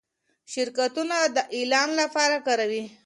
شرکتونه دا د اعلان لپاره کاروي.